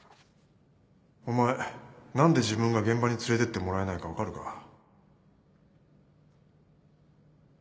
お前何で自分が現場に連れてってもらえないか分かるか？